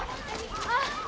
あっ。